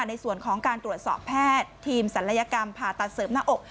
ในส่วนของการตรวจสอบแพทย์ทีมศัลยกรรมผ่าตัดเสริมหน้าอก